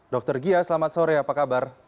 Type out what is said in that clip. dr gia selamat sore apa kabar